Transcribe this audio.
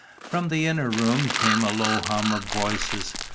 From the inner room came the low hum of voices.